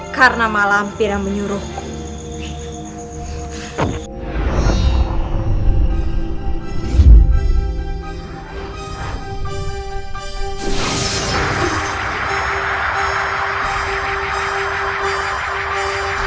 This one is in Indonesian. karena malah ampira menyuruhku